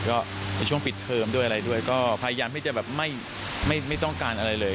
ก็ในช่วงปิดเทอมด้วยอะไรด้วยก็พยายามที่จะแบบไม่ต้องการอะไรเลย